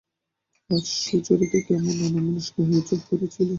আজ সুচরিতাও কেমন অন্যমনস্ক হইয়া চুপ করিয়া ছিল।